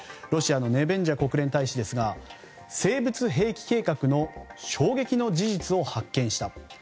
ロシアのネベンジャ国連大使ですが生物兵器計画の衝撃の事実を発見した。